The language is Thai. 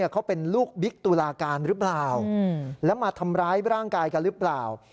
เขาเป็นลูกบิ๊กตุลาการหรือเปล่าแล้วมาทำร้ายร่างกายกันหรือเปล่า